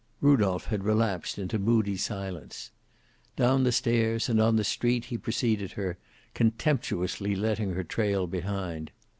Rudolph had relapsed into moody silence. Down the stairs, and on the street he preceded her, contemptuously letting her trail behind.